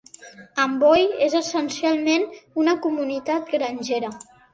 Amboy és essencialment una comunitat grangera.